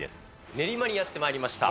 練馬にやってまいりました。